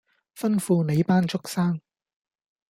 吩咐你班畜牲